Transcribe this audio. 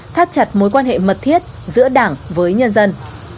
thắt chặt mối quan hệ mật thiết giữa đảng với nhân dân